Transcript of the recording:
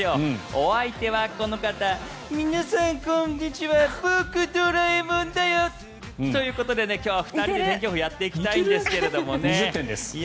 お相手はこの方皆さんこんにちは僕、ドラえもんだよということで、今日は２人で天気予報をやっていきたいと思っているんですけどね。